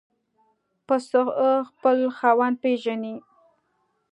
پسه خپل خاوند پېژني.